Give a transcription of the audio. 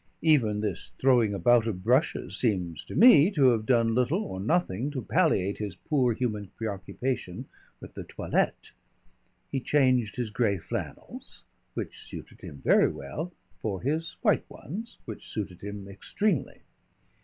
Even this throwing about of brushes seems to me to have done little or nothing to palliate his poor human preoccupation with the toilette. He changed his gray flannels which suited him very well for his white ones, which suited him extremely.